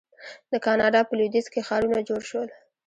د کاناډا په لویدیځ کې ښارونه جوړ شول.